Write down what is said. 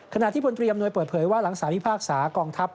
ขณะที่พลตรีอำนวยเปิดเผยว่าหลังสารพิพากษากองทัพ